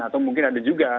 atau mungkin ada juga